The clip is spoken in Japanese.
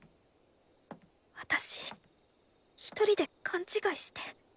私一人で勘違いして。